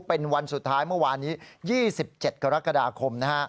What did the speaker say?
เป็นวันสุดท้ายเมื่อวานนี้๒๗กรกฎาคมนะฮะ